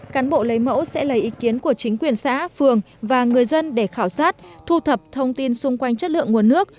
cán bộ lấy mẫu sẽ lấy ý kiến của chính quyền xã phường và người dân để khảo sát thu thập thông tin xung quanh chất lượng nguồn nước